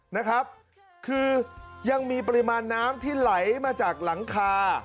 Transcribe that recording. นะครับคือยังมีปริมาณน้ำที่ไหลมาจากหลังคา